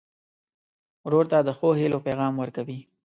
ورور ته د ښو هيلو پیغام ورکوې.